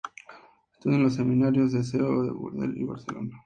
Estudió en los seminarios de Seo de Urgel y Barcelona.